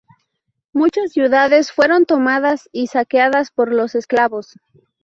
Muchas ciudades fueron tomadas y saqueadas por los esclavos.